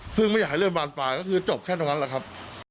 ซึ่งไม่อยากให้เรื่องบานปลายก็คือจบแค่ตรงนั้นแหละครับ